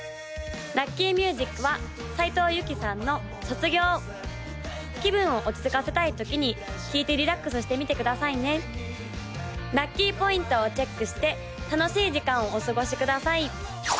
・ラッキーミュージックは斉藤由貴さんの「卒業」気分を落ち着かせたいときに聴いてリラックスしてみてくださいねラッキーポイントをチェックして楽しい時間をお過ごしください！